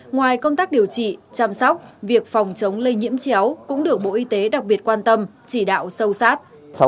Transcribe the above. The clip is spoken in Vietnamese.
ngoài công tác điều trị chăm sóc việc phòng chống lây nhiễm chéo cũng được bộ y tế đặc biệt quan tâm chỉ đạo sâu sát